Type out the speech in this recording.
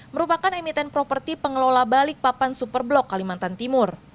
merupakan emiten properti pengelola balikpapan super blok kalimantan timur